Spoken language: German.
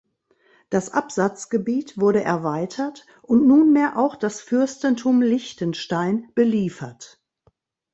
Das Absatzgebiet wurde erweitert und nunmehr auch das Fürstentum Liechtenstein beliefert.